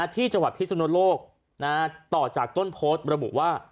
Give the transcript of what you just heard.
ที่จังหวัดพิสุนโลกต่อจากต้นโพสต์ระบุว่า